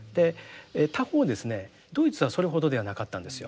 他方ですねドイツはそれほどではなかったんですよ。